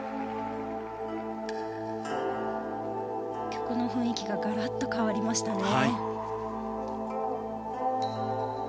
曲の雰囲気がガラッと変わりましたね。